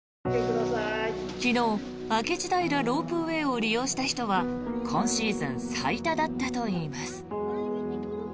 昨日、明智平ロープウェイを利用した人は今シーズン最多だったといいます。